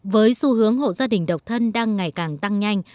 với xu hướng hộ gia đình độc thân đang ngày càng tăng nhanh